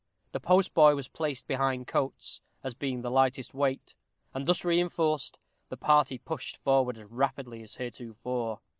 The postboy was placed behind Coates, as being the lightest weight; and, thus reinforced, the party pushed forward as rapidly as heretofore.